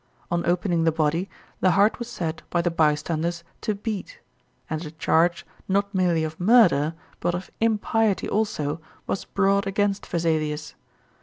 On opening the body, the heart was said by the bystanders to beat; and a charge, not merely of murder, but of impiety also, was brought against Vesalius.